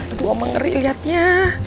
aduh oma ngeri liatnya